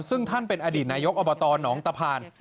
ซึ่งท่านเป็นอดีตนายกอบตหนองตะพาน